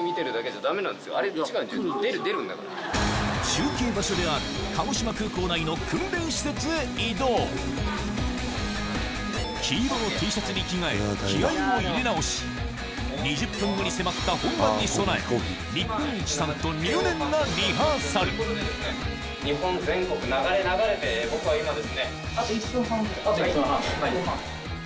中継場所である鹿児島黄色のＴシャツに着替え気合を入れ直し２０分後に迫った本番に備え日本一さんと入念なリハーサル日本全国流れ流れて僕は今ですね。